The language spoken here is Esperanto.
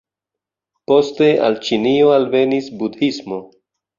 Poste al Ĉinio alvenis budhismo.